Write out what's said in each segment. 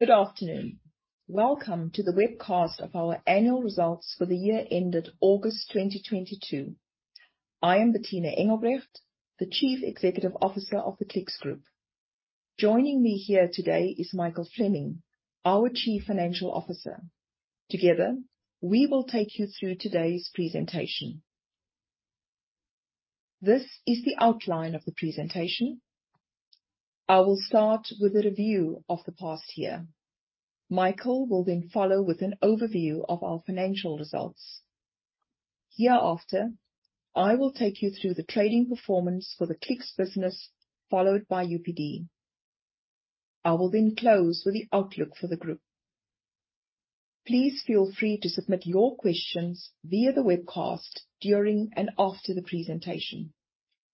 Good afternoon. Welcome to the webcast of our annual results for the year ended August 2022. I am Bertina Engelbrecht, the Chief Executive Officer of the Clicks Group. Joining me here today is Michael Fleming, our Chief Financial Officer. Together we will take you through today's presentation. This is the outline of the presentation. I will start with a review of the past year. Michael will then follow with an overview of our financial results. Hereafter, I will take you through the trading performance for the Clicks business, followed by UPD. I will then close with the outlook for the group. Please feel free to submit your questions via the webcast during and after the presentation.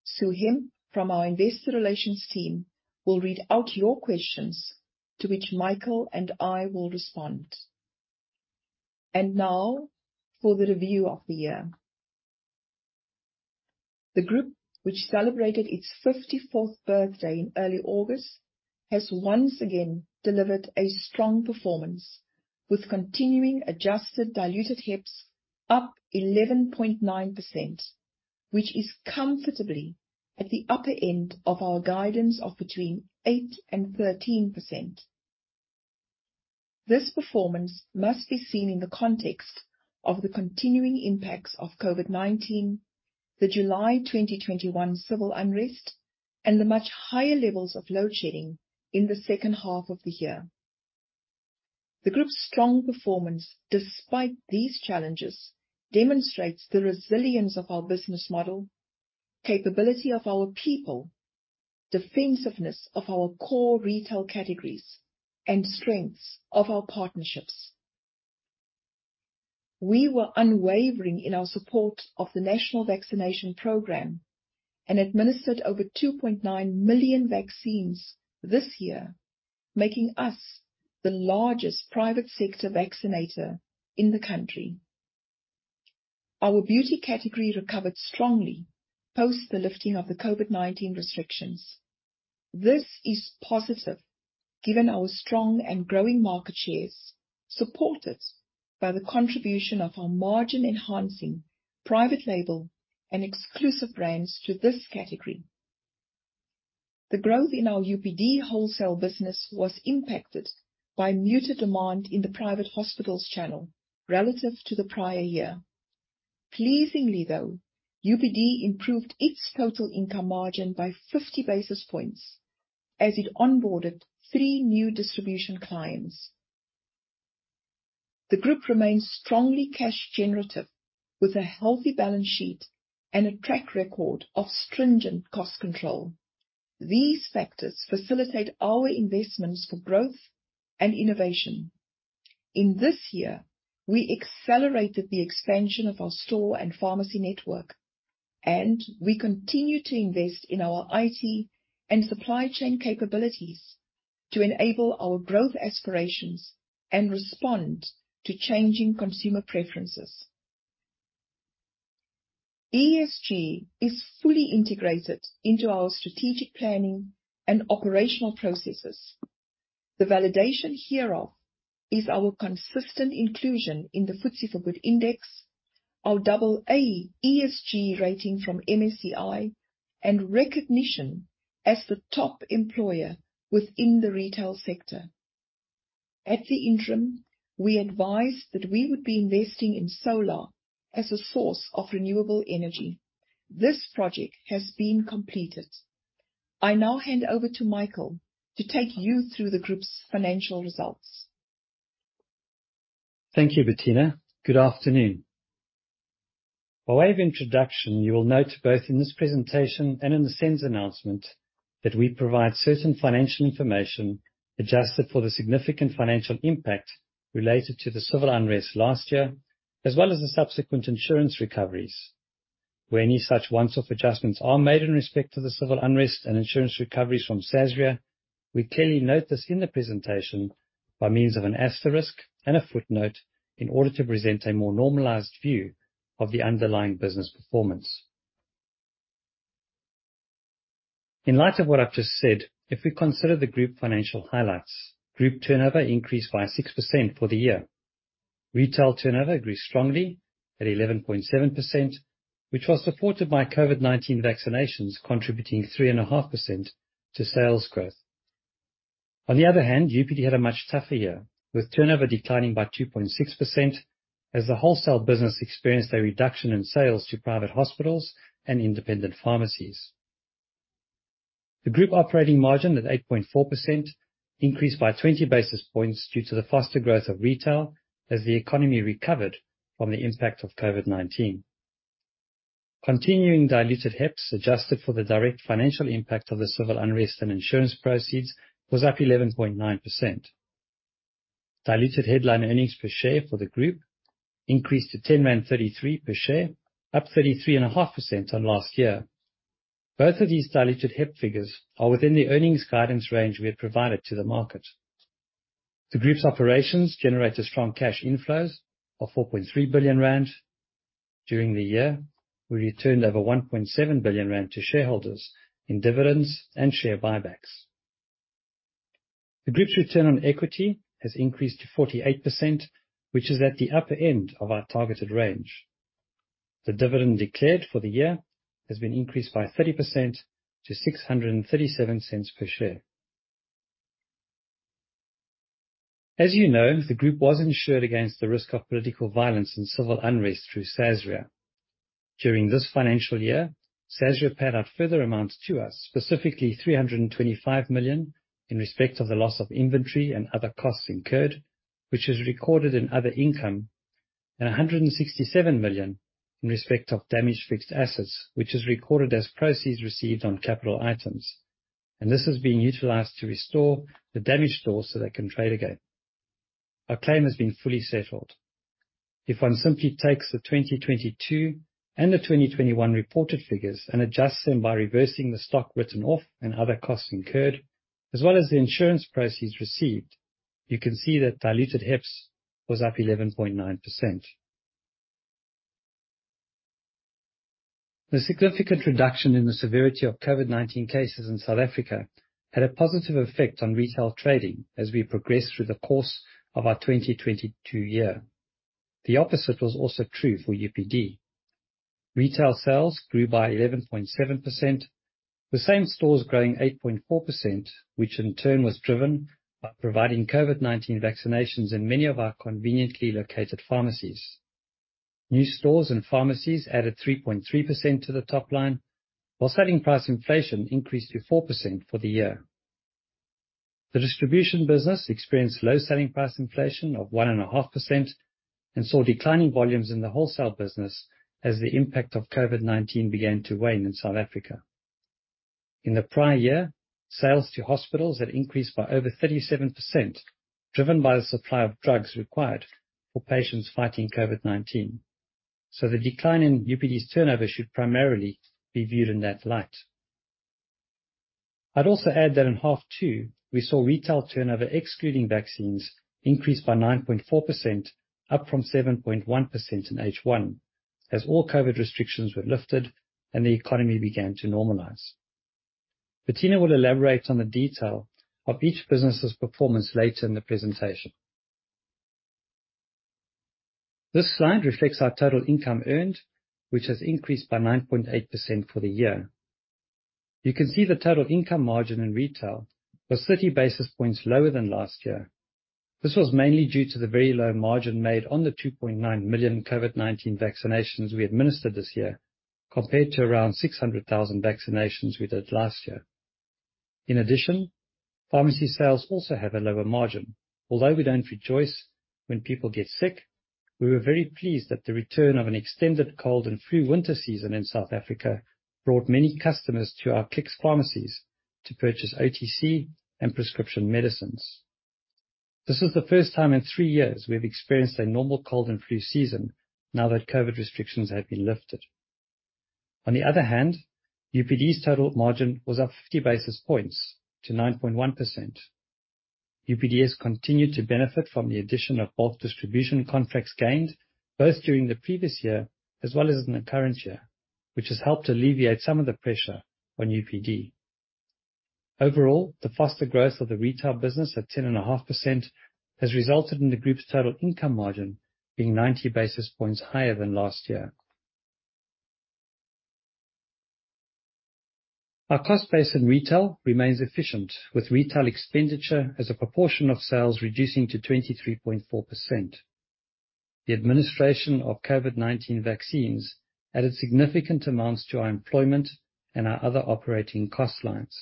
Sue Hemp from our investor relations team will read out your questions, to which Michael and I will respond. Now for the review of the year. The group, which celebrated its 54th birthday in early August, has once again delivered a strong performance with continuing adjusted diluted HEPS up 11.9%, which is comfortably at the upper end of our guidance of between 8% and 13%. This performance must be seen in the context of the continuing impacts of COVID-19, the July 2021 civil unrest, and the much higher levels of load shedding in the second half of the year. The group's strong performance, despite these challenges, demonstrates the resilience of our business model, capability of our people, defensiveness of our core retail categories, and strengths of our partnerships. We were unwavering in our support of the national vaccination program and administered over 2.9 million vaccines this year, making us the largest private sector vaccinator in the country. Our beauty category recovered strongly post the lifting of the COVID-19 restrictions. This is positive given our strong and growing market shares, supported by the contribution of our margin-enhancing private label and exclusive brands to this category. The growth in our UPD wholesale business was impacted by muted demand in the private hospitals channel relative to the prior year. Pleasingly, though, UPD improved its total income margin by 50 basis points as it onboarded three new distribution clients. The group remains strongly cash generative with a healthy balance sheet and a track record of stringent cost control. These factors facilitate our investments for growth and innovation. In this year, we accelerated the expansion of our store and pharmacy network, and we continue to invest in our IT and supply chain capabilities to enable our growth aspirations and respond to changing consumer preferences. ESG is fully integrated into our strategic planning and operational processes. The validation hereof is our consistent inclusion in the FTSE4Good Index, our double A ESG rating from MSCI, and recognition as the top employer within the retail sector. At the interim, we advised that we would be investing in solar as a source of renewable energy. This project has been completed. I now hand over to Michael to take you through the group's financial results. Thank you, Bertina. Good afternoon. By way of introduction, you will note both in this presentation and in the SENS announcement that we provide certain financial information adjusted for the significant financial impact related to the civil unrest last year, as well as the subsequent insurance recoveries. Where any such once-off adjustments are made in respect to the civil unrest and insurance recoveries from Sasria, we clearly note this in the presentation by means of an asterisk and a footnote in order to present a more normalized view of the underlying business performance. In light of what I've just said, if we consider the group financial highlights, group turnover increased by 6% for the year. Retail turnover grew strongly at 11.7%, which was supported by COVID-19 vaccinations contributing 3.5% to sales growth. On the other hand, UPD had a much tougher year, with turnover declining by 2.6% as the wholesale business experienced a reduction in sales to private hospitals and independent pharmacies. The group operating margin at 8.4% increased by 20 basis points due to the faster growth of retail as the economy recovered from the impact of COVID-19. Continuing diluted HEPS, adjusted for the direct financial impact of the civil unrest and insurance proceeds, was up 11.9%. Diluted headline earnings per share for the group increased to 10.33 per share, up 33.5% on last year. Both of these diluted HEPS figures are within the earnings guidance range we had provided to the market. The group's operations generated strong cash inflows of 4.3 billion rand. During the year, we returned over 1.7 billion rand to shareholders in dividends and share buybacks. The group's return on equity has increased to 48%, which is at the upper end of our targeted range. The dividend declared for the year has been increased by 30% to 6.37 per share. As you know, the group was insured against the risk of political violence and civil unrest through Sasria. During this financial year, Sasria paid out further amounts to us, specifically 325 million in respect of the loss of inventory and other costs incurred, which is recorded in other income, and 167 million in respect of damaged fixed assets, which is recorded as proceeds received on capital items. This is being utilized to restore the damaged stores so they can trade again. Our claim has been fully settled. If one simply takes the 2022 and the 2021 reported figures and adjusts them by reversing the stock written off and other costs incurred, as well as the insurance proceeds received, you can see that diluted EPS was up 11.9%. The significant reduction in the severity of COVID-19 cases in South Africa had a positive effect on retail trading as we progressed through the course of our 2022 year. The opposite was also true for UPD. Retail sales grew by 11.7%, with same stores growing 8.4%, which in turn was driven by providing COVID-19 vaccinations in many of our conveniently located pharmacies. New stores and pharmacies added 3.3% to the top line, while selling price inflation increased to 4% for the year. The distribution business experienced low selling price inflation of 1.5% and saw declining volumes in the wholesale business as the impact of COVID-19 began to wane in South Africa. In the prior year, sales to hospitals had increased by over 37%, driven by the supply of drugs required for patients fighting COVID-19. The decline in UPD's turnover should primarily be viewed in that light. I'd also add that in H2, we saw retail turnover, excluding vaccines, increase by 9.4%, up from 7.1% in H1 as all COVID restrictions were lifted and the economy began to normalize. Bertina will elaborate on the detail of each business's performance later in the presentation. This slide reflects our total income earned, which has increased by 9.8% for the year. You can see the total income margin in retail was 30 basis points lower than last year. This was mainly due to the very low margin made on the 2.9 million COVID-19 vaccinations we administered this year, compared to around 600,000 vaccinations we did last year. In addition, pharmacy sales also have a lower margin. Although we don't rejoice when people get sick, we were very pleased that the return of an extended cold and flu winter season in South Africa brought many customers to our Clicks pharmacies to purchase OTC and prescription medicines. This is the first time in three years we have experienced a normal cold and flu season now that COVID restrictions have been lifted. On the other hand, UPD's total margin was up 50 basis points to 9.1%. UPD has continued to benefit from the addition of both distribution contracts gained, both during the previous year as well as in the current year, which has helped alleviate some of the pressure on UPD. Overall, the faster growth of the retail business at 10.5% has resulted in the group's total income margin being 90 basis points higher than last year. Our cost base in retail remains efficient, with retail expenditure as a proportion of sales reducing to 23.4%. The administration of COVID-19 vaccines added significant amounts to our employment and our other operating cost lines.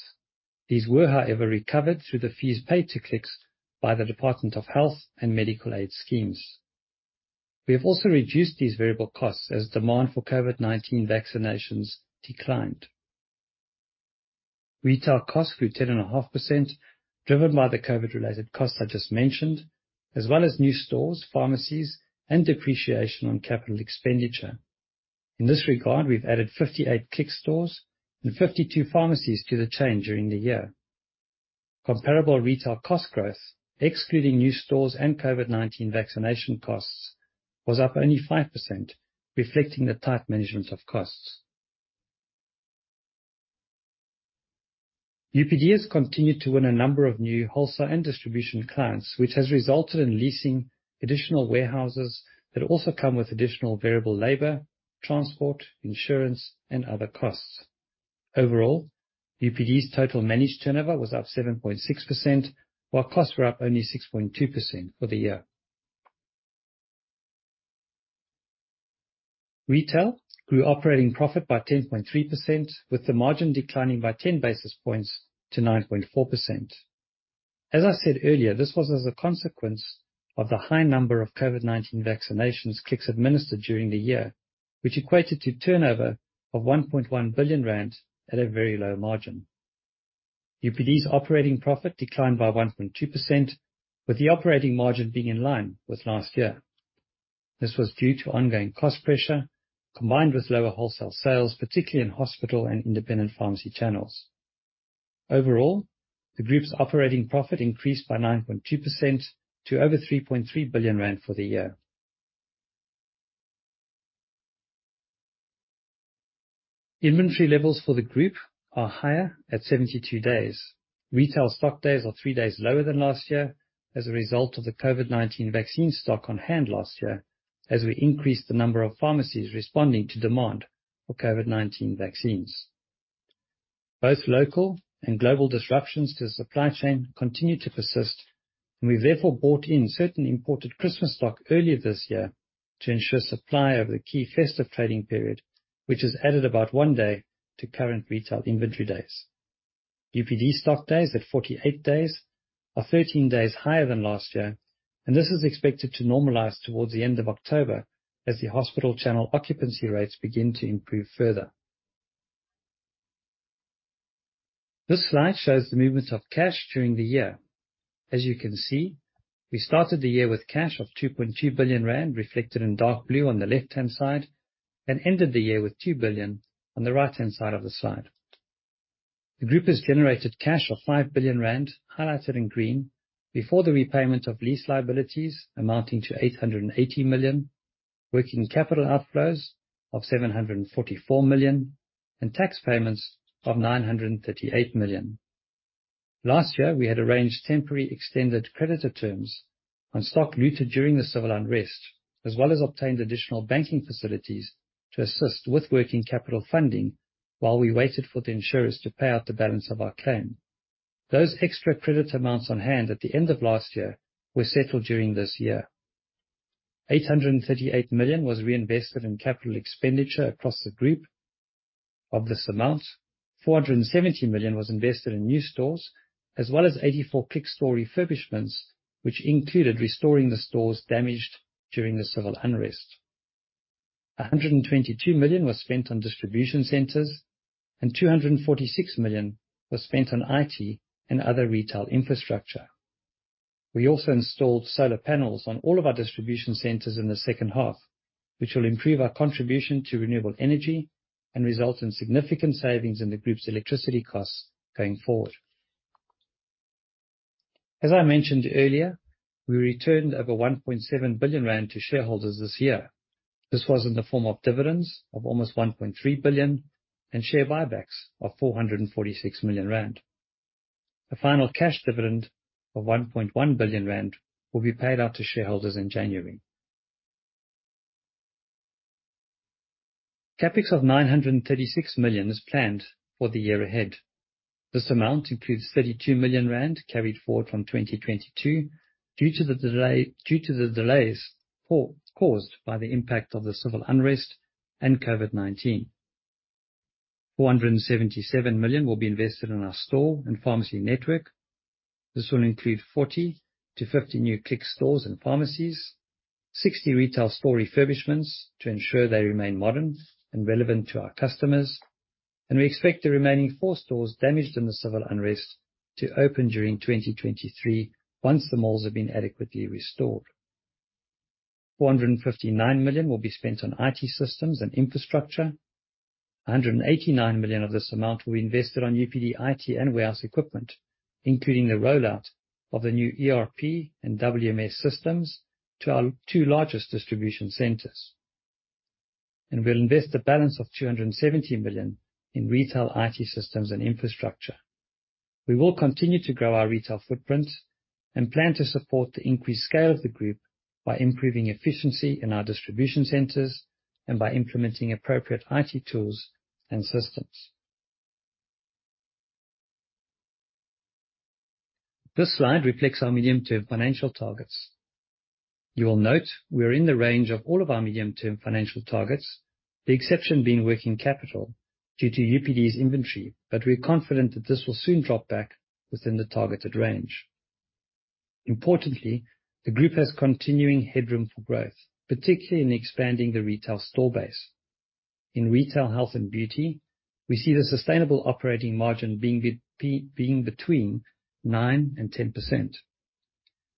These were, however, recovered through the fees paid to Clicks by the Department of Health and medical aid schemes. We have also reduced these variable costs as demand for COVID-19 vaccinations declined. Retail costs grew 10.5%, driven by the COVID-related costs I just mentioned, as well as new stores, pharmacies, and depreciation on capital expenditure. In this regard, we've added 58 Clicks stores and 52 pharmacies to the chain during the year. Comparable retail cost growth, excluding new stores and COVID-19 vaccination costs, was up only 5%, reflecting the tight management of costs. UPD has continued to win a number of new wholesale and distribution clients, which has resulted in leasing additional warehouses that also come with additional variable labor, transport, insurance, and other costs. Overall, UPD's total managed turnover was up 7.6%, while costs were up only 6.2% for the year. Retail grew operating profit by 10.3%, with the margin declining by 10 basis points to 9.4%. As I said earlier, this was as a consequence of the high number of COVID-19 vaccinations Clicks administered during the year, which equated to turnover of 1.1 billion rand at a very low margin. UPD's operating profit declined by 1.2%, with the operating margin being in line with last year. This was due to ongoing cost pressure combined with lower wholesale sales, particularly in hospital and independent pharmacy channels. Overall, the group's operating profit increased by 9.2% to over 3.3 billion rand for the year. Inventory levels for the group are higher at 72 days. Retail stock days are three days lower than last year as a result of the COVID-19 vaccine stock on hand last year, as we increased the number of pharmacies responding to demand for COVID-19 vaccines. Both local and global disruptions to the supply chain continue to persist, and we therefore bought in certain imported Christmas stock earlier this year to ensure supply over the key festive trading period, which has added about one day to current retail inventory days. UPD stock days at 48 days are 13 days higher than last year, and this is expected to normalize towards the end of October as the hospital channel occupancy rates begin to improve further. This slide shows the movements of cash during the year. As you can see, we started the year with cash of 2.2 billion rand reflected in dark blue on the left-hand side, and ended the year with 2 billion on the right-hand side of the slide. The group has generated cash of 5 billion rand highlighted in green before the repayment of lease liabilities amounting to 880 million, working capital outflows of 744 million, and tax payments of 938 million. Last year, we had arranged temporary extended creditor terms on stock looted during the civil unrest, as well as obtained additional banking facilities to assist with working capital funding while we waited for the insurers to pay out the balance of our claim. Those extra credit amounts on hand at the end of last year were settled during this year 838 million was reinvested in capital expenditure across the group. Of this amount, 470 million was invested in new stores, as well as 84 Clicks store refurbishments, which included restoring the stores damaged during the civil unrest. 122 million was spent on distribution centers and 246 million was spent on IT and other retail infrastructure. We also installed solar panels on all of our distribution centers in the second half, which will improve our contribution to renewable energy and result in significant savings in the group's electricity costs going forward. As I mentioned earlier, we returned over 1.7 billion rand to shareholders this year. This was in the form of dividends of almost 1.3 billion and share buybacks of 446 million rand. The final cash dividend of 1.1 billion rand will be paid out to shareholders in January. CapEx of 936 million is planned for the year ahead. This amount includes 32 million rand carried forward from 2022 due to the delays caused by the impact of the civil unrest and COVID-19. 477 million will be invested in our store and pharmacy network. This will include 40-50 new Clicks stores and pharmacies, 60 retail store refurbishments to ensure they remain modern and relevant to our customers. We expect the remaining four stores damaged in the civil unrest to open during 2023 once the malls have been adequately restored. 459 million will be spent on IT systems and infrastructure. 189 million of this amount will be invested on UPD IT and warehouse equipment, including the rollout of the new ERP and WMS systems to our two largest distribution centers. We'll invest the balance of 270 million in retail IT systems and infrastructure. We will continue to grow our retail footprint and plan to support the increased scale of the group by improving efficiency in our distribution centers and by implementing appropriate IT tools and systems. This slide reflects our medium-term financial targets. You will note we are in the range of all of our medium-term financial targets, the exception being working capital due to UPD's inventory, but we're confident that this will soon drop back within the targeted range. Importantly, the group has continuing headroom for growth, particularly in expanding the retail store base. In retail health and beauty, we see the sustainable operating margin being between 9%-10%.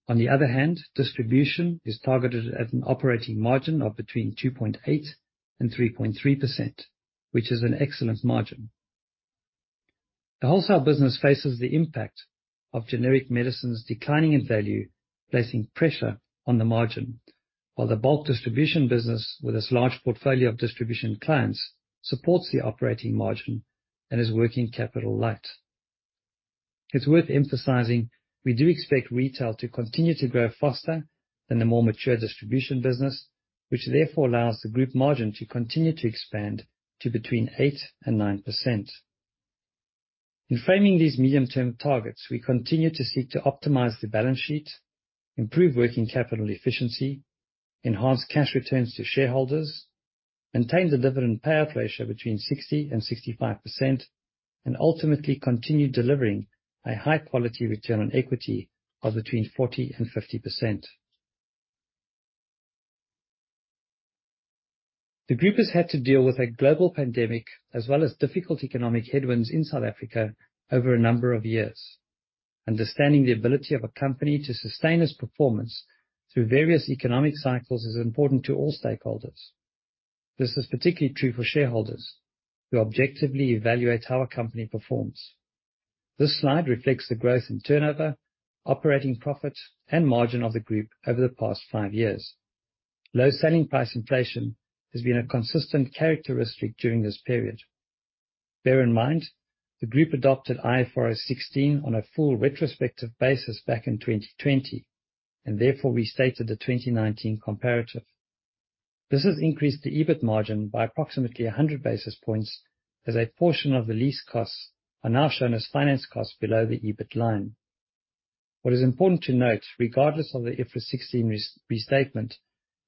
On the other hand, distribution is targeted at an operating margin of between 2.8%-3.3%, which is an excellent margin. The wholesale business faces the impact of generic medicines declining in value, placing pressure on the margin, while the bulk distribution business, with its large portfolio of distribution clients, supports the operating margin and is working capital light. It's worth emphasizing we do expect retail to continue to grow faster than the more mature distribution business, which therefore allows the group margin to continue to expand to between 8%-9%. In framing these medium-term targets, we continue to seek to optimize the balance sheet, improve working capital efficiency, enhance cash returns to shareholders, maintain the dividend payout ratio between 60% and 65%, and ultimately continue delivering a high-quality return on equity of between 40% and 50%. The group has had to deal with a global pandemic as well as difficult economic headwinds in South Africa over a number of years. Understanding the ability of a company to sustain its performance through various economic cycles is important to all stakeholders. This is particularly true for shareholders who objectively evaluate how a company performs. This slide reflects the growth in turnover, operating profits and margin of the group over the past five years. Low selling price inflation has been a consistent characteristic during this period. Bear in mind, the group adopted IFRS 16 on a full retrospective basis back in 2020, and therefore we stated the 2019 comparative. This has increased the EBIT margin by approximately 100 basis points, as a portion of the lease costs are now shown as finance costs below the EBIT line. What is important to note, regardless of the IFRS 16 restatement,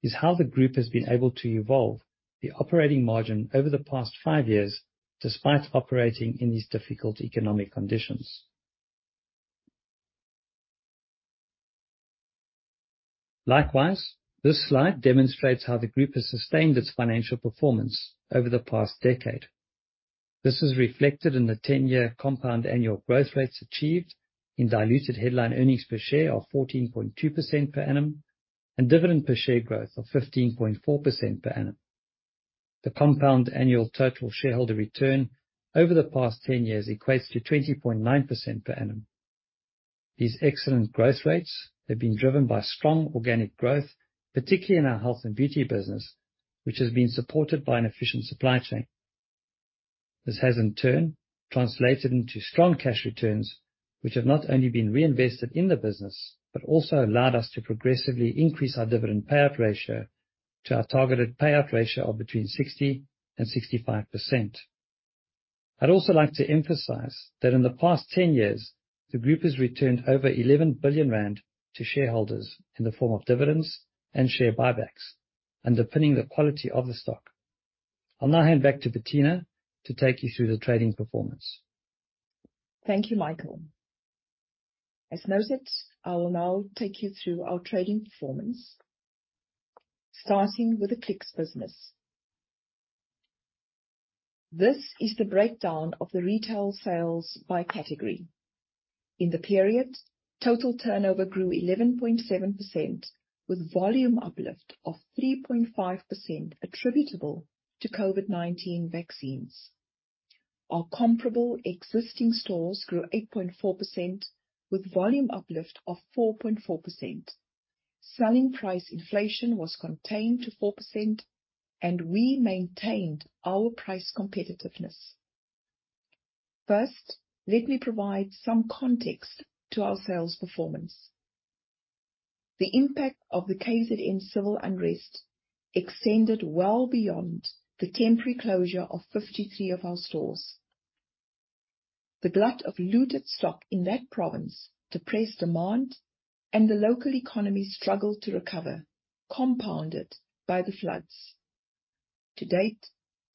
is how the group has been able to evolve the operating margin over the past five years, despite operating in these difficult economic conditions. Likewise, this slide demonstrates how the group has sustained its financial performance over the past decade. This is reflected in the 10-year compound annual growth rates achieved in diluted headline earnings per share of 14.2% per annum and dividend per share growth of 15.4% per annum. The compound annual total shareholder return over the past 10 years equates to 20.9% per annum. These excellent growth rates have been driven by strong organic growth, particularly in our health and beauty business, which has been supported by an efficient supply chain. This has in turn translated into strong cash returns, which have not only been reinvested in the business, but also allowed us to progressively increase our dividend payout ratio to our targeted payout ratio of between 60% and 65%. I'd also like to emphasize that in the past 10 years, the group has returned over 11 billion rand to shareholders in the form of dividends and share buybacks, underpinning the quality of the stock. I'll now hand back to Bertina to take you through the trading performance. Thank you, Michael. As noted, I will now take you through our trading performance, starting with the Clicks business. This is the breakdown of the retail sales by category. In the period, total turnover grew 11.7%, with volume uplift of 3.5% attributable to COVID-19 vaccines. Our comparable existing stores grew 8.4% with volume uplift of 4.4%. Selling price inflation was contained to 4% and we maintained our price competitiveness. First, let me provide some context to our sales performance. The impact of the KZN civil unrest extended well beyond the temporary closure of 53 of our stores. The glut of looted stock in that province depressed demand and the local economy struggled to recover, compounded by the floods. To date,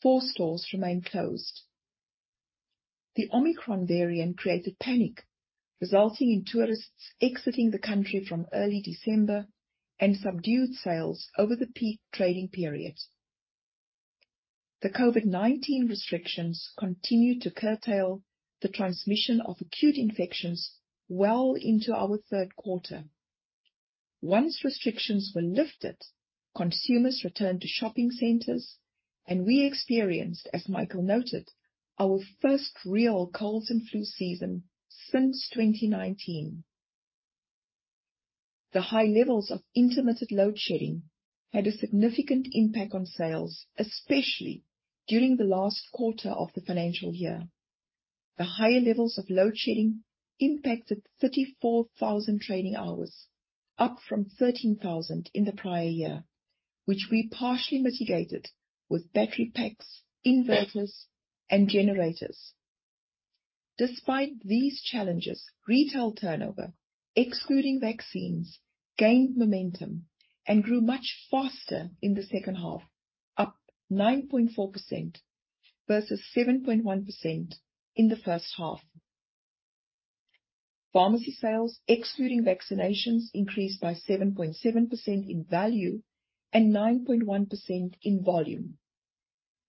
four stores remain closed. The Omicron variant created panic, resulting in tourists exiting the country from early December and subdued sales over the peak trading period. The COVID-19 restrictions continued to curtail the transmission of acute infections well into our third quarter. Once restrictions were lifted, consumers returned to shopping centers and we experienced, as Michael noted, our first real colds and flu season since 2019. The high levels of intermittent load shedding had a significant impact on sales, especially during the last quarter of the financial year. The higher levels of load shedding impacted 34,000 trading hours, up from 13,000 in the prior year, which we partially mitigated with battery packs, inverters, and generators. Despite these challenges, retail turnover, excluding vaccines, gained momentum and grew much faster in the second half, up 9.4% versus 7.1% in the first half. Pharmacy sales, excluding vaccinations, increased by 7.7% in value and 9.1% in volume.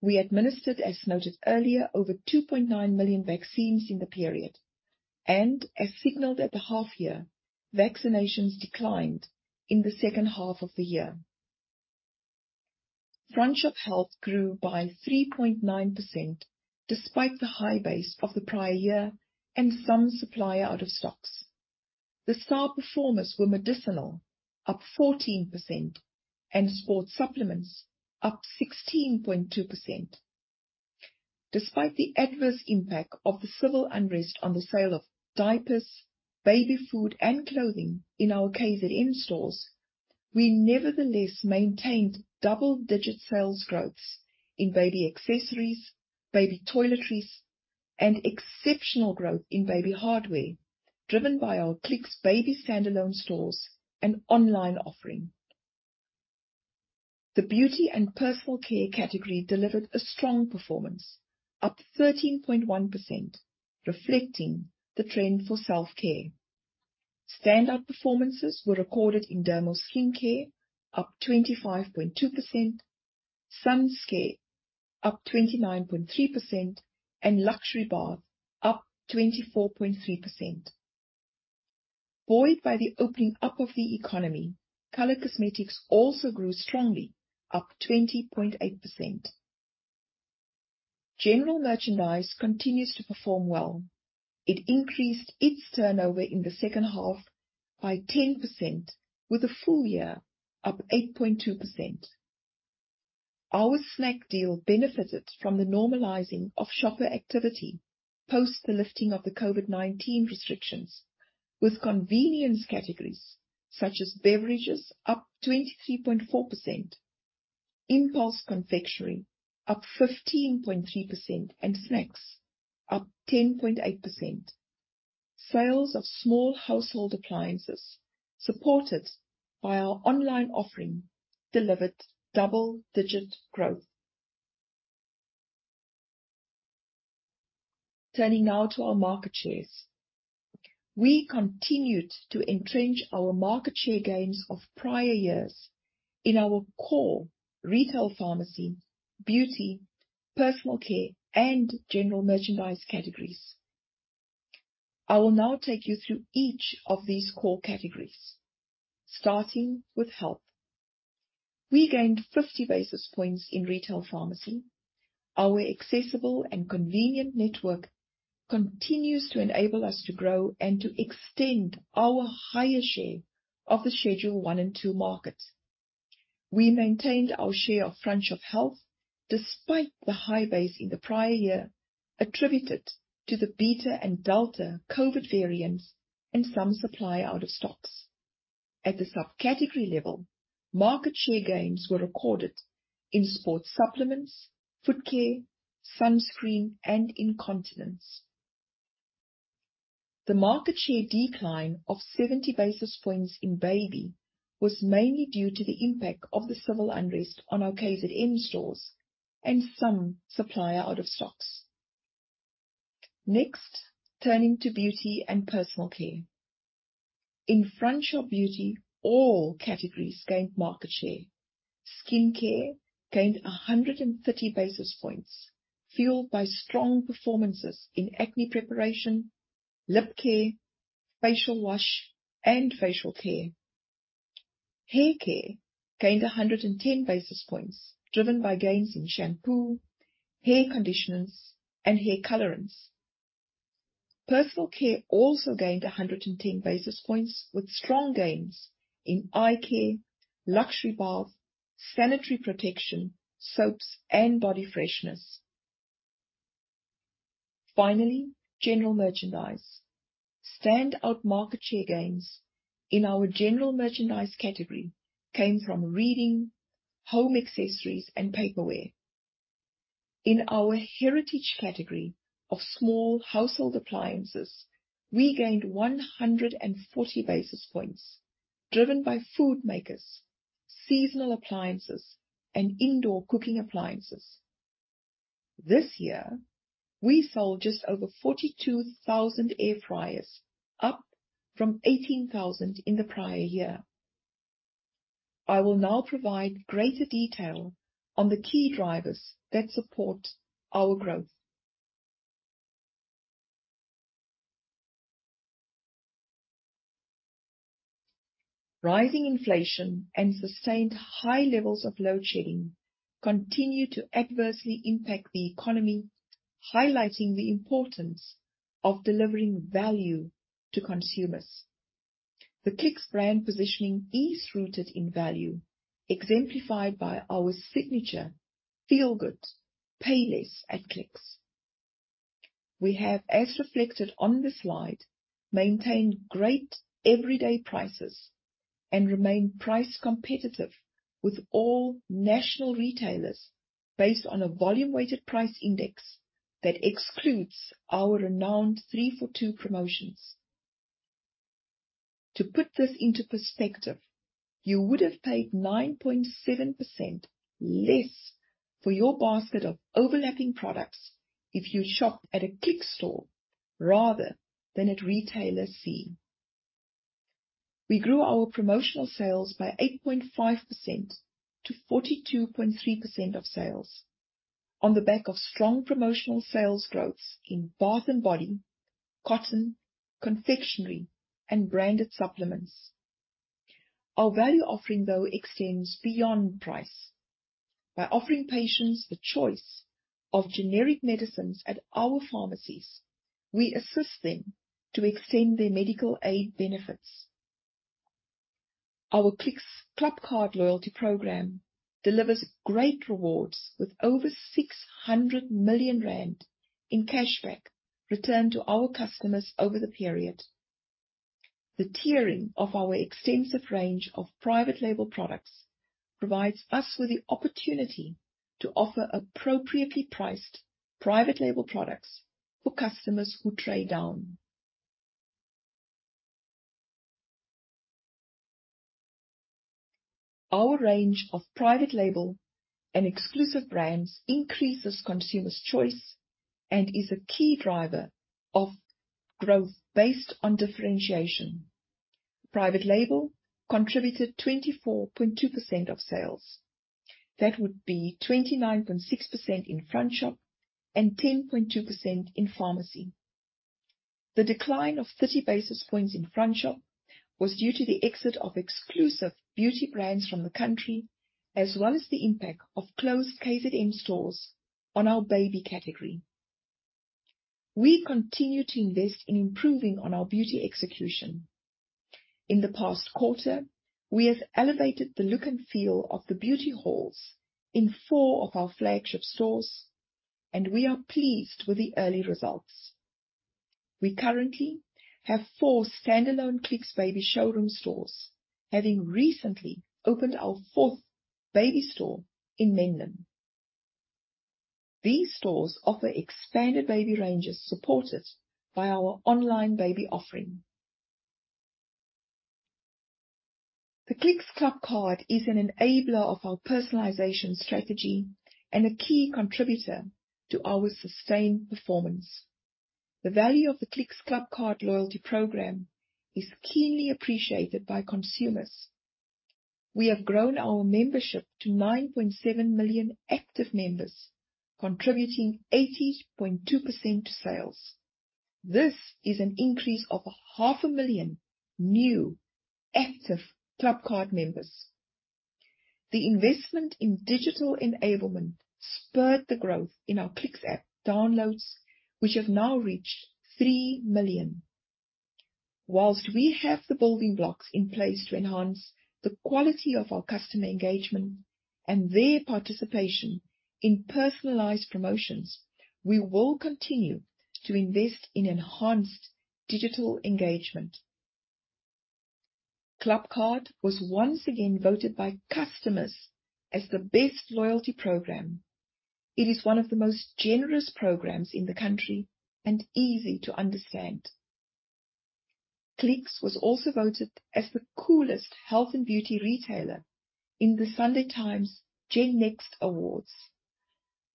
We administered, as noted earlier, over 2.9 million vaccines in the period and as signaled at the half year, vaccinations declined in the second half of the year. Front shop health grew by 3.9% despite the high base of the prior year and some supplier out of stocks. The star performers were medicinal, up 14%, and sport supplements, up 16.2%. Despite the adverse impact of the civil unrest on the sale of diapers, baby food and clothing in our KZN stores, we nevertheless maintained double-digit sales growths in baby accessories, baby toiletries, and exceptional growth in baby hardware, driven by our Clicks Baby standalone stores and online offering. The beauty and personal care category delivered a strong performance, up 13.1%, reflecting the trend for self-care. Standout performances were recorded in dermal skincare, up 25.2%, sun care, up 29.3%, and luxury bath, up 24.3%. Buoyed by the opening up of the economy, color cosmetics also grew strongly, up 20.8%. General merchandise continues to perform well. It increased its turnover in the second half by 10% with a full year up 8.2%. Our snack aisle benefited from the normalizing of shopper activity post the lifting of the COVID-19 restrictions, with convenience categories such as beverages up 23.4%, impulse confectionery up 15.3%, and snacks up 10.8%. Sales of small household appliances, supported by our online offering, delivered double-digit growth. Turning now to our market shares. We continued to entrench our market share gains of prior years in our core retail pharmacy, beauty, personal care, and general merchandise categories. I will now take you through each of these core categories, starting with health. We gained 50 basis points in retail pharmacy. Our accessible and convenient network continues to enable us to grow and to extend our higher share of the Schedule one and two markets. We maintained our share of front-shop health despite the high base in the prior year, attributed to the Beta and Delta COVID-19 variants and some supplier out of stocks. At the subcategory level, market share gains were recorded in sport supplements, foot care, sunscreen, and incontinence. The market share decline of 70 basis points in baby was mainly due to the impact of the civil unrest on our KZN stores and some supplier out of stocks. Next, turning to beauty and personal care. In front shop beauty, all categories gained market share. Skincare gained 130 basis points, fueled by strong performances in acne preparation, lip care, facial wash, and facial care. Hair care gained 110 basis points, driven by gains in shampoo, hair conditioners, and hair colorants. Personal care also gained 110 basis points with strong gains in eye care, luxury bath, sanitary protection, soaps, and body freshness. Finally, general merchandise. Standout market share gains in our general merchandise category came from reading, home accessories, and paperware. In our heritage category of small household appliances, we gained 140 basis points driven by food makers, seasonal appliances, and indoor cooking appliances. This year we sold just over 42,000 air fryers, up from 18,000 in the prior year. I will now provide greater detail on the key drivers that support our growth. Rising inflation and sustained high levels of load shedding continue to adversely impact the economy, highlighting the importance of delivering value to consumers. The Clicks brand positioning is rooted in value, exemplified by our signature Feel Good, Pay Less at Clicks. We have, as reflected on the slide, maintained great everyday prices and remain price competitive with all national retailers based on a volume-weighted price index that excludes our renowned three-for-two promotions. To put this into perspective, you would have paid 9.7% less for your basket of overlapping products if you shopped at a Clicks store rather than at Retailer C. We grew our promotional sales by 8.5% to 42.3% of sales on the back of strong promotional sales growth in bath and body, cotton, confectionery, and branded supplements. Our value offering, though, extends beyond price. By offering patients the choice of generic medicines at our pharmacies, we assist them to extend their medical aid benefits. Our Clicks ClubCard loyalty program delivers great rewards with over 600 million rand in cashback returned to our customers over the period. The tiering of our extensive range of private label products provides us with the opportunity to offer appropriately priced private label products for customers who trade down. Our range of private label and exclusive brands increases consumers' choice and is a key driver of growth based on differentiation. Private label contributed 24.2% of sales. That would be 29.6% in front shop. 10.2% in pharmacy. The decline of 30 basis points in front shop was due to the exit of exclusive beauty brands from the country, as well as the impact of closed KZN stores on our baby category. We continue to invest in improving on our beauty execution. In the past quarter, we have elevated the look and feel of the beauty halls in four of our flagship stores, and we are pleased with the early results. We currently have four standalone Clicks Baby showroom stores, having recently opened our fourth baby store in Menlyn. These stores offer expanded baby ranges supported by our online baby offering. The Clicks ClubCard is an enabler of our personalization strategy and a key contributor to our sustained performance. The value of the Clicks ClubCard loyalty program is keenly appreciated by consumers. We have grown our membership to 9.7 million active members, contributing 80.2% to sales. This is an increase of 0.5 million new active ClubCard members. The investment in digital enablement spurred the growth in our Clicks app downloads, which have now reached 3 million. While we have the building blocks in place to enhance the quality of our customer engagement and their participation in personalized promotions, we will continue to invest in enhanced digital engagement. ClubCard was once again voted by customers as the best loyalty program. It is one of the most generous programs in the country, and easy to understand. Clicks was also voted as the coolest health and beauty retailer in the Sunday Times GenNext Awards.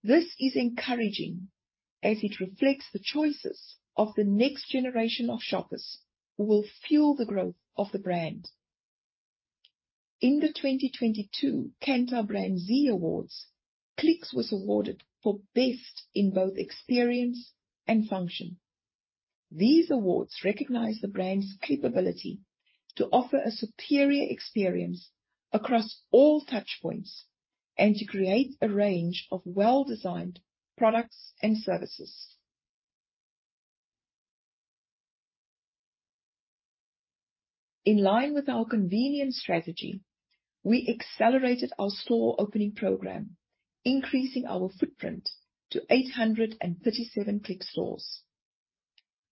This is encouraging as it reflects the choices of the next generation of shoppers who will fuel the growth of the brand. In the 2022 Kantar BrandZ Awards, Clicks was awarded for best in both experience and function. These awards recognize the brand's capability to offer a superior experience across all touchpoints and to create a range of well-designed products and services. In line with our convenience strategy, we accelerated our store opening program, increasing our footprint to 837 Clicks stores.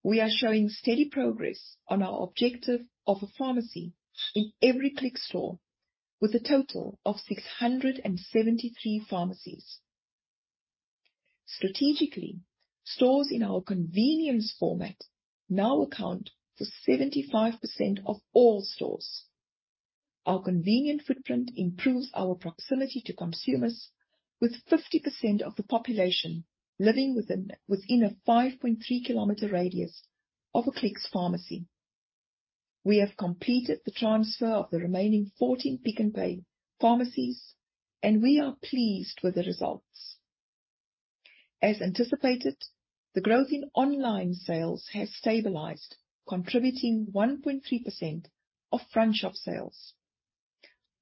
We are showing steady progress on our objective of a pharmacy in every Clicks store with a total of 673 pharmacies. Strategically, stores in our convenience format now account for 75% of all stores. Our convenient footprint improves our proximity to consumers with 50% of the population living within a 5.3 km radius of a Clicks Pharmacy. We have completed the transfer of the remaining 14 Pick n Pay pharmacies, and we are pleased with the results. As anticipated, the growth in online sales has stabilized, contributing 1.3% of front shop sales.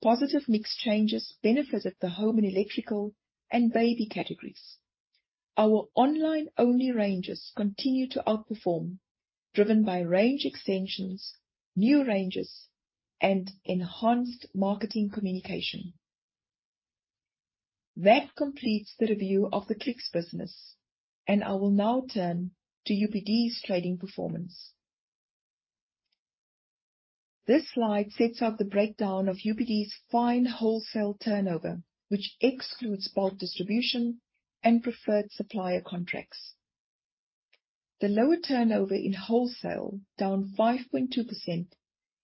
Positive mix changes benefited the home and electrical and baby categories. Our online-only ranges continue to outperform, driven by range extensions, new ranges, and enhanced marketing communication. That completes the review of the Clicks business, and I will now turn to UPD's trading performance. This slide sets out the breakdown of UPD's fine wholesale turnover, which excludes bulk distribution and preferred supplier contracts. The lower turnover in wholesale, down 5.2%,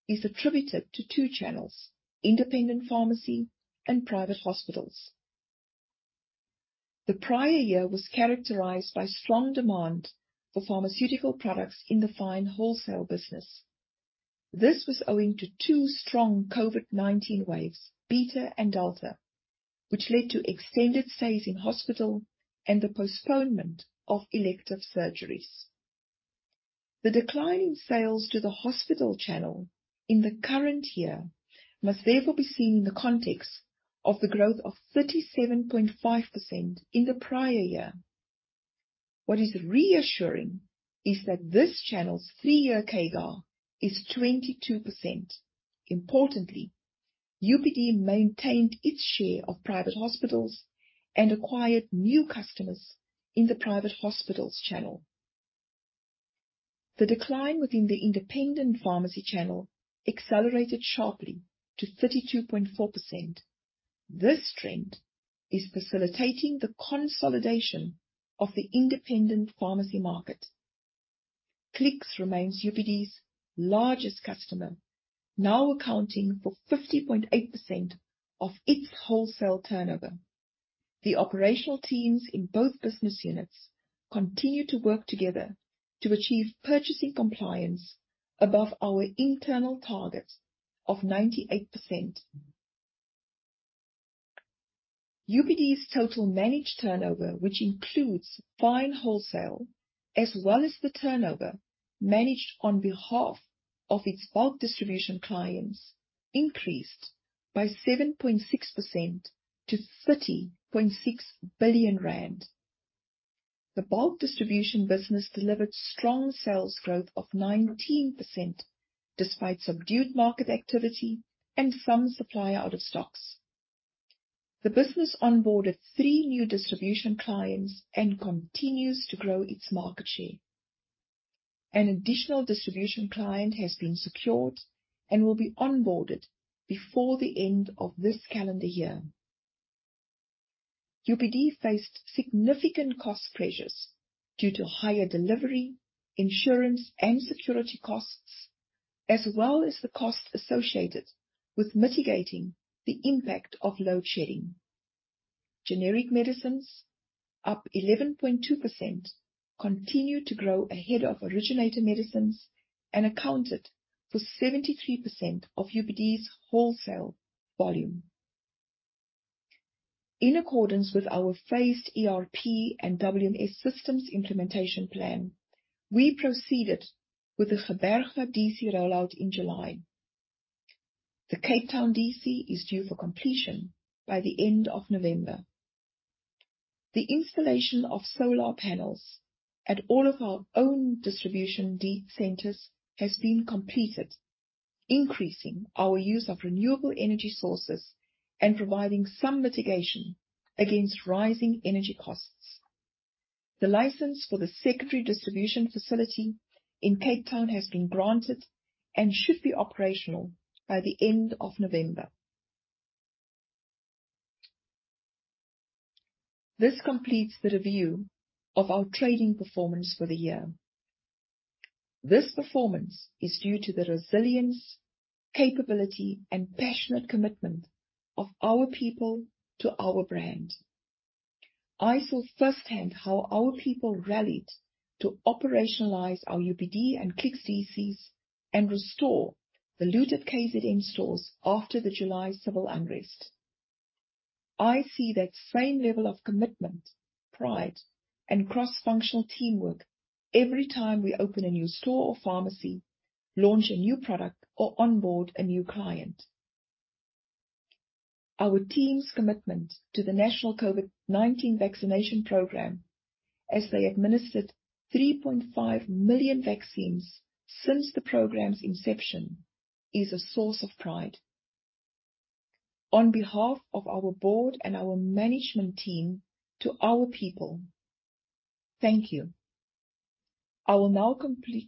is attributed to two channels, independent pharmacy and private hospitals. The prior year was characterized by strong demand for pharmaceutical products in the fine wholesale business. This was owing to two strong COVID-19 waves, Beta and Delta, which led to extended stays in hospital and the postponement of elective surgeries. The decline in sales to the hospital channel in the current year must therefore be seen in the context of the growth of 37.5% in the prior year. What is reassuring is that this channel's three-year CAGR is 22%. Importantly, UPD maintained its share of private hospitals and acquired new customers in the private hospitals channel. The decline within the independent pharmacy channel accelerated sharply to 32.4%. This trend is facilitating the consolidation of the independent pharmacy market. Clicks remains UPD's largest customer, now accounting for 50.8% of its wholesale turnover. The operational teams in both business units continue to work together to achieve purchasing compliance above our internal targets of 98%. UPD's total managed turnover, which includes fine wholesale as well as the turnover managed on behalf of its bulk distribution clients, increased by 7.6% to 30.6 billion rand. The bulk distribution business delivered strong sales growth of 19% despite subdued market activity and some supply out of stocks. The business onboarded three new distribution clients and continues to grow its market share. An additional distribution client has been secured and will be onboarded before the end of this calendar year. UPD faced significant cost pressures due to higher delivery, insurance, and security costs, as well as the costs associated with mitigating the impact of load shedding. Generic medicines, up 11.2%, continue to grow ahead of originator medicines and accounted for 73% of UPD's wholesale volume. In accordance with our phased ERP and WMS systems implementation plan, we proceeded with the Gqeberha DC rollout in July. The Cape Town DC is due for completion by the end of November. The installation of solar panels at all of our own distribution centers has been completed, increasing our use of renewable energy sources and providing some mitigation against rising energy costs. The license for the secondary distribution facility in Cape Town has been granted and should be operational by the end of November. This completes the review of our trading performance for the year. This performance is due to the resilience, capability, and passionate commitment of our people to our brand. I saw firsthand how our people rallied to operationalize our UPD and Clicks DCs and restore the looted KZN stores after the July civil unrest. I see that same level of commitment, pride, and cross-functional teamwork every time we open a new store or pharmacy, launch a new product, or onboard a new client. Our team's commitment to the national COVID-19 vaccination program, as they administered 3.5 million vaccines since the program's inception, is a source of pride. On behalf of our board and our management team to our people, thank you. I will now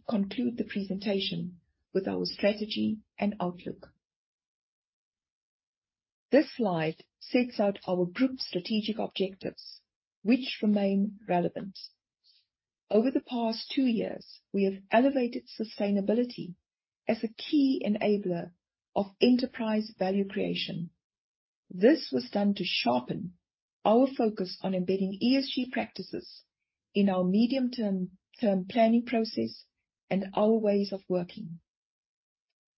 conclude the presentation with our strategy and outlook. This slide sets out our group's strategic objectives, which remain relevant. Over the past two years, we have elevated sustainability as a key enabler of enterprise value creation. This was done to sharpen our focus on embedding ESG practices in our medium-term planning process and our ways of working.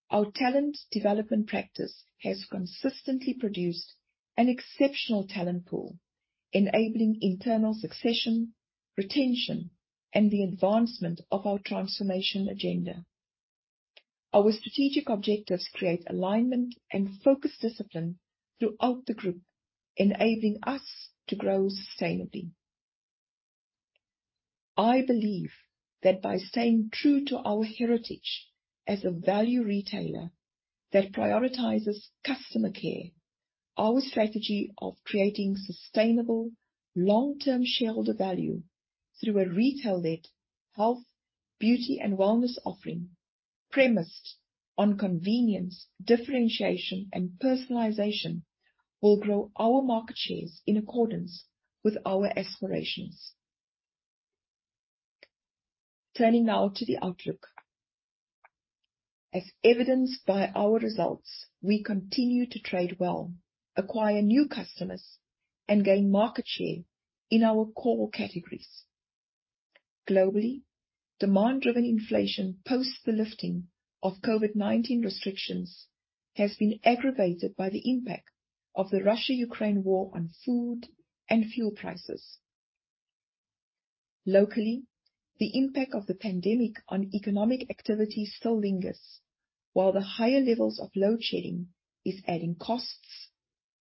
Our talent development practice has consistently produced an exceptional talent pool, enabling internal succession, retention, and the advancement of our transformation agenda. Our strategic objectives create alignment and focus discipline throughout the group, enabling us to grow sustainably. I believe that by staying true to our heritage as a value retailer that prioritizes customer care, our strategy of creating sustainable, long-term shareholder value through a retail-led health, beauty, and wellness offering premised on convenience, differentiation, and personalization will grow our market shares in accordance with our aspirations. Turning now to the outlook. As evidenced by our results, we continue to trade well, acquire new customers, and gain market share in our core categories. Globally, demand-driven inflation post the lifting of COVID-19 restrictions has been aggravated by the impact of the Russia-Ukraine war on food and fuel prices. Locally, the impact of the pandemic on economic activity still lingers, while the higher levels of load shedding is adding costs,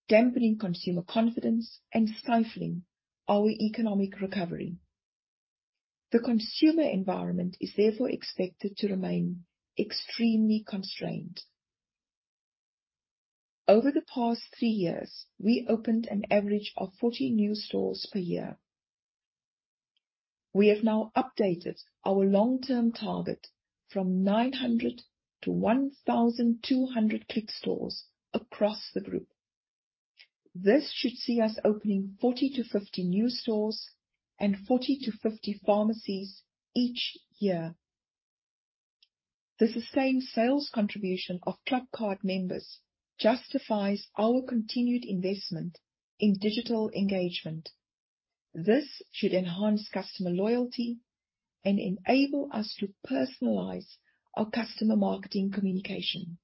dampening consumer confidence, and stifling our economic recovery. The consumer environment is therefore expected to remain extremely constrained. Over the past three years, we opened an average of 40 new stores per year. We have now updated our long-term target from 900 to 1,200 Clicks stores across the group. This should see us opening 40-50 new stores and 40-50 pharmacies each year. The sustained sales contribution of ClubCard members justifies our continued investment in digital engagement. This should enhance customer loyalty and enable us to personalize our customer marketing communication.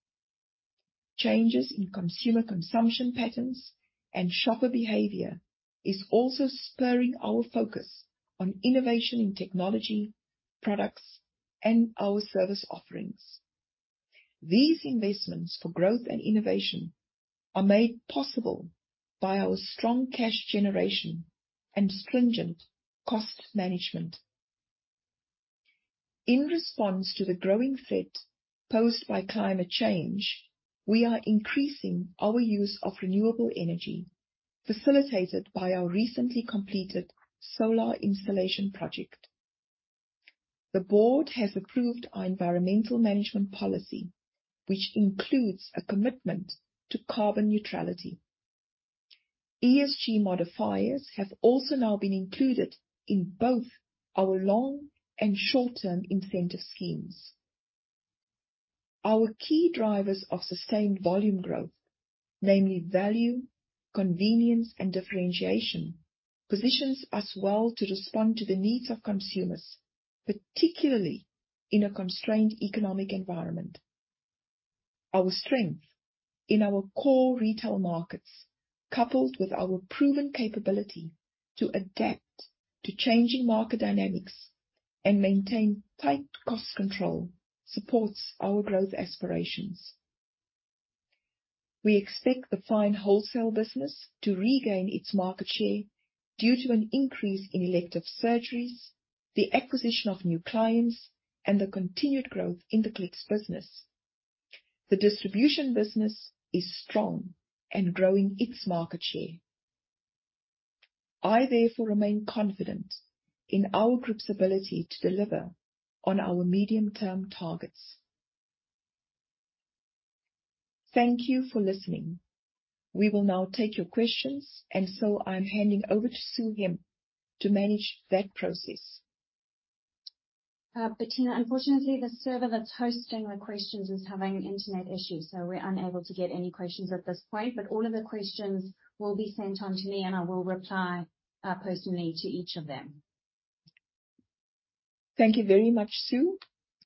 Changes in consumer consumption patterns and shopper behavior is also spurring our focus on innovation in technology, products and our service offerings. These investments for growth and innovation are made possible by our strong cash generation and stringent cost management. In response to the growing threat posed by climate change, we are increasing our use of renewable energy, facilitated by our recently completed solar installation project. The board has approved our environmental management policy, which includes a commitment to carbon neutrality. ESG modifiers have also now been included in both our long and short-term incentive schemes. Our key drivers of sustained volume growth, namely value, convenience, and differentiation, positions us well to respond to the needs of consumers, particularly in a constrained economic environment. Our strength in our core retail markets, coupled with our proven capability to adapt to changing market dynamics and maintain tight cost control, supports our growth aspirations. We expect the UPD business to regain its market share due to an increase in elective surgeries, the acquisition of new clients, and the continued growth in the Clicks business. The distribution business is strong and growing its market share. I therefore remain confident in our group's ability to deliver on our medium-term targets. Thank you for listening. We will now take your questions, and so I'm handing over to Sue Hemp to manage that process. Bertina, unfortunately, the server that's hosting the questions is having internet issues, so we're unable to get any questions at this point. All of the questions will be sent on to me, and I will reply personally to each of them. Thank you very much, Sue.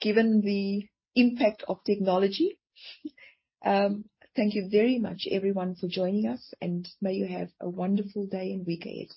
Thank you very much, everyone, for joining us, and may you have a wonderful day and weekend.